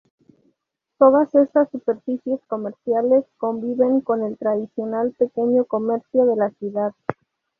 Todas estas superficies comerciales conviven con el tradicional pequeño comercio de la ciudad.